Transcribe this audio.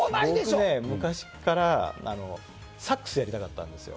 僕ね、昔からサックスやりたかったんですよ。